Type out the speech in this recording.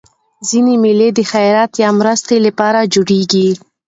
ځيني مېلې د خیرات یا مرستي له پاره جوړېږي.